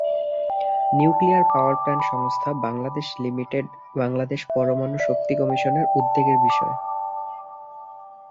Nuclear power plant সংস্থা Bangladesh limited Bangladesh পরমাণু শক্তি কমিশনের উদ্বেগের বিষয়।